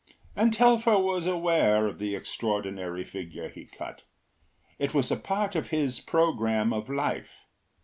And Telfer was aware of the extraordinary figure he cut; it was a part of his programme of life.